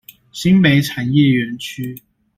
新北產業園區